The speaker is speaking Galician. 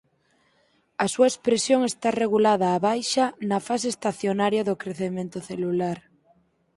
A súa expresión está regulada á baixa na fase estacionaria do crecemento celular.